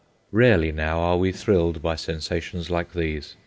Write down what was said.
Rarely now are we thrilled by sensations like these.